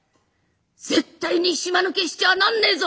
絶対に島抜けしちゃあなんねえぞ。